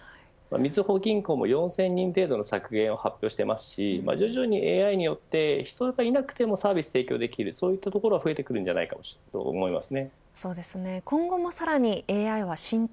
みずほ銀行も４０００人程度の削減を発表していますし徐々にＡＩによって人がいなくてもサービス提供できるそういったところは増えてくると思います。